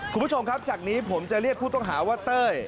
คุณผู้ชมครับจากนี้ผมจะเรียกผู้ต้องหาว่าเต้ย